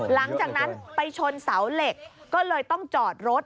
หลังจากนั้นไปชนเสาเหล็กก็เลยต้องจอดรถ